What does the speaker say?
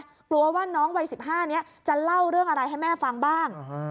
กลัวว่าน้องวัย๑๕นี้จะเล่าเรื่องอะไรให้แม่ฟังบ้าง